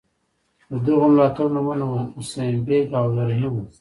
د دغو ملاتړو نومونه حسین بېګ او عبدالرحیم وو.